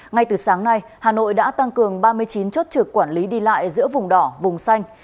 ngay từ sáng nay hà nội đã tăng cường ba mươi chín chốt trực quản lý đi lại giữa vùng đỏ vùng xanh